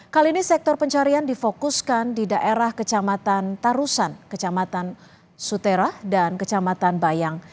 kali ini sektor pencarian difokuskan di daerah kecamatan tarusan kecamatan suterah dan kecamatan bayang